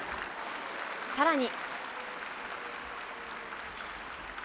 さらに。